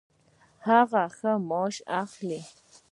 هغه ښه معاش اخلي